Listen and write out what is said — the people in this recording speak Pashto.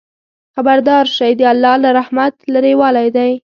خبردار شئ! د الله له رحمته لرېوالی دی.